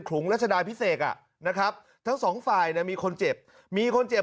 ขุ่งและซาดายพิเศษนะครับทั้งสองฝ่ายมีคนเจ็บมีคนเจ็บ